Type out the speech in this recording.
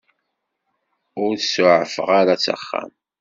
Ur t-suɛfeɣ ara s axxam.